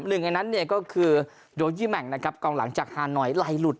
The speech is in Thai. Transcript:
หนึ่งอันนั้นก็คือโดยิแม่งกล่องหลังจากฮานอยลายหลุด